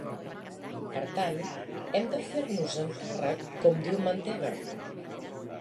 Per tant, hem de fer-nos-en càrrec, com diu Mantega.